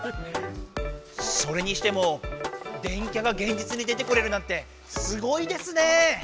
それにしても電キャがげんじつに出てこれるなんてすごいですね。